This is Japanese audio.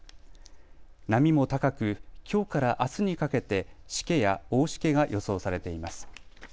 波も高く、きょうからあすにかけて、しけや大しけが予想されています。